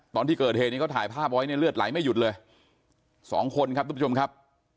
ตอนที่เกิดเหตุนี้เขาถ่ายภาพไว้เนี่ยเลือดไหลไม่หยุดเลยสองคนครับทุกผู้ชมครับ